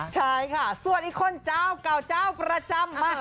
ใช่ค่ะส่วนอีกคนเจ้าเก่าเจ้าประจำมา